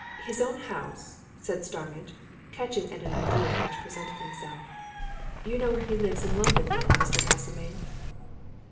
"His own house!" said Starmidge, catching at an idea which presented itself. "You know where he lives in London, then, Mr. Castlemayne?"